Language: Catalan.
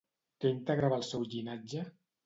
Què integrava el seu llinatge?